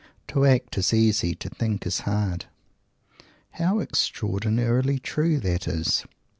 "To act is easy to think is hard!" How extraordinarily true that is!